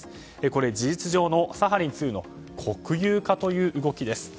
これ、事実上のサハリン２の国有化という動きです。